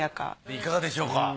いかがでしょうか？